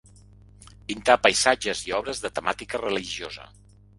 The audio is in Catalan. Pintà paisatges i obres de temàtica religiosa.